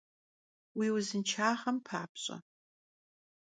Vui vuzınşşağem papş'e!